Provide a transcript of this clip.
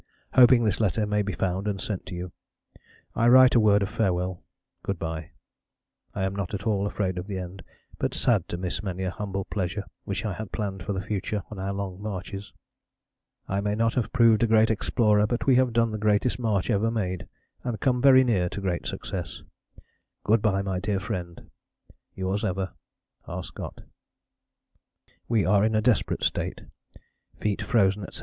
Hoping this letter may be found and sent to you, I write a word of farewell ... Good bye. I am not at all afraid of the end, but sad to miss many a humble pleasure which I had planned for the future on our long marches. I may not have proved a great explorer, but we have done the greatest march ever made and come very near to great success. Good bye, my dear friend. Yours ever, R. SCOTT. We are in a desperate state, feet frozen, etc.